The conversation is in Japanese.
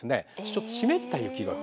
ちょっと湿った雪が。